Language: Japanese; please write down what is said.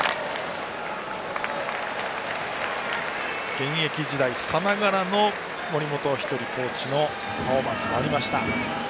現役時代さながらの森本稀哲コーチのパフォーマンスがありました。